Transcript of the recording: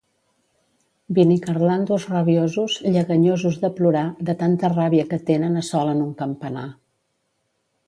Binicarlandos rabiosos, lleganyosos de plorar, de tanta ràbia que tenen assolen un campanar.